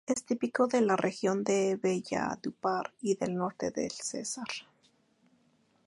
Es típico de la región de Valledupar y del norte del Cesar.